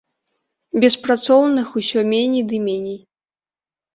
Беспрацоўных усё меней ды меней.